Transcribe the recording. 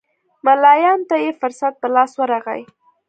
ملایانو ته یې فرصت په لاس ورغی.